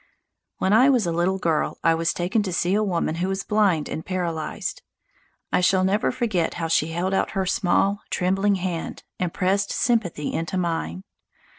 When I was a little girl I was taken to see[A] a woman who was blind and paralysed. I shall never forget how she held out her small, trembling hand and pressed sympathy into mine.